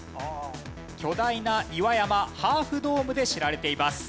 巨大な岩山ハーフドームで知られています。